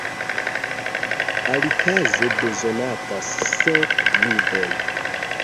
Alikaze bezonatas sep ludoj.